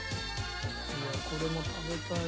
いやこれも食べたいね。